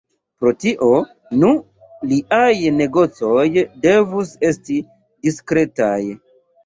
Pro tio, nu, liaj negocoj devus esti diskretaj.